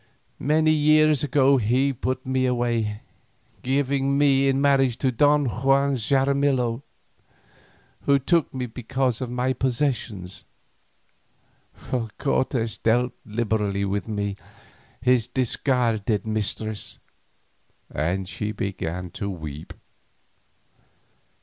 Many years ago he put me away, giving me in marriage to Don Juan Xaramillo, who took me because of my possessions, for Cortes dealt liberally with me, his discarded mistress." And she began to weep.